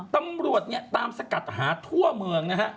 ตำรวจตามสกัดหาทั่วเมือง